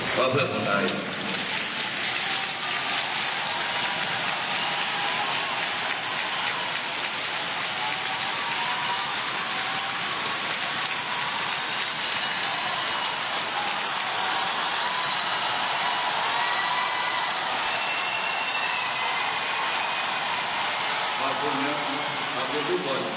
ความรักความสามารถ